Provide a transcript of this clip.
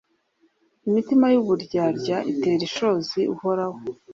Imitima y’uburyarya itera ishozi Uhoraho